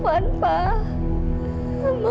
tuhan akan memberikan kita yang terbaik